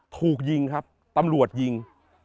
ถูกยิงครับตำรวจยิง